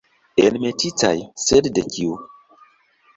Enmetitaj, sed de kiu?